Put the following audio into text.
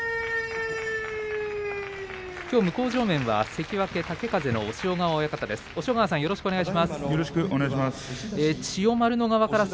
きょう向正面は関脇豪風の押尾川親方です。